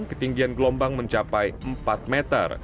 ketinggian gelombang mencapai empat meter